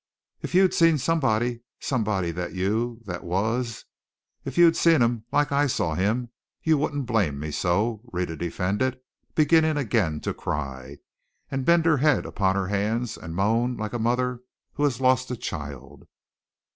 "If you'd seen somebody somebody that you that was if you'd seen him like I saw him, you wouldn't blame me so," Rhetta defended, beginning again to cry, and bend her head upon her hands and moan like a mother who had lost a child.